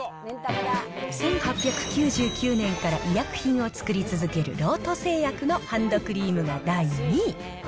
１８９９年から医薬品を作り続けるロート製薬のハンドクリームが第２位。